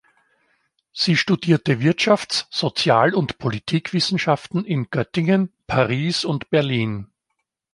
Sie studierte Wirtschafts-, Sozial- und Politikwissenschaften in Göttingen, Paris und Berlin.